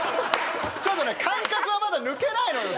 ちょっとね感覚がまだ抜けないのよ